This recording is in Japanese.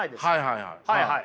はいはいはい。